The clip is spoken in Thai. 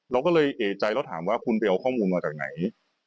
เราก็เลยเอกใจแล้วถามว่าคุณไปเอาข้อมูลมาจากไหน